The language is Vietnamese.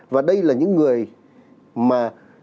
và đây là những người mà